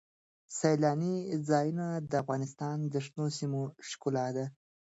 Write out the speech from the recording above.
سیلاني ځایونه د افغانستان د شنو سیمو ښکلا ده.